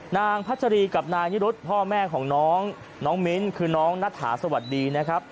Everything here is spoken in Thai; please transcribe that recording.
พัชรีกับนายนิรุธพ่อแม่ของน้องน้องมิ้นคือน้องนัทถาสวัสดีนะครับ